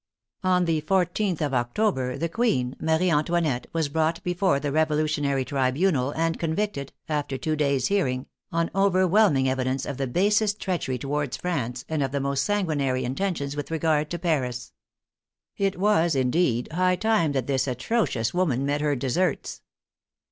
On the 14th of October the queen, Marie Antoinette, was brought before the Revolutionary Tribunal and con victed, after two days' hearing, on overwhelming evi dence, of the basest treachery towards France, and of the most sanguinary intentions with regard to Paris. It was, indeed, high time that this atrocious woman met her de serts.